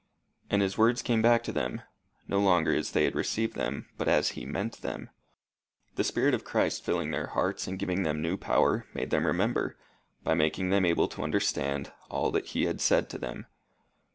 And his words came back to them, no longer as they had received them, but as he meant them. The spirit of Christ filling their hearts and giving them new power, made them remember, by making them able to understand, all that he had said to them.